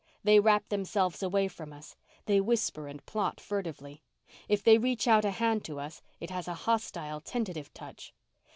They wrap themselves away from us. They whisper and plot furtively. If they reach out a hand to us it has a hostile, tentative touch.